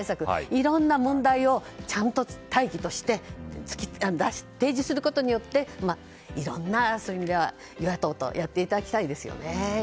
いろんな問題をちゃんと大義として提示することによっていろいろ、与野党と議論をやっていただきたいですよね。